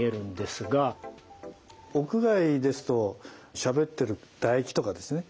屋外ですとしゃべってる唾液とかですね